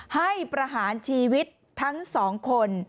ให้ประหารชีวิตทั้งสองคน